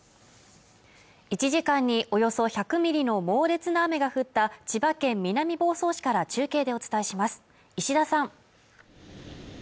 １時間におよそ１００ミリの猛烈な雨が降った千葉県南房総市から中継でお伝えします石田さん